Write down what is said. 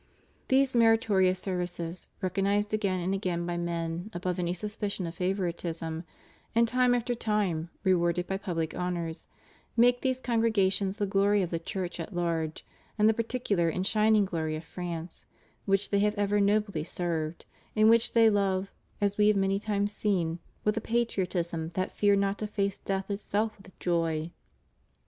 These meritorious services, recognized again and again by men above any suspicion of favoritism, and time after time, rewarded by public honors, make these congregations the glory of the Church at large, and the particular and shining glory of France, which they have ever nobly served, and which they love, as We have many times seen, with a patriotism that feared not to face death itself with joy.